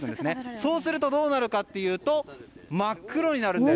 そうするとどうなるかというと真っ黒になるんです。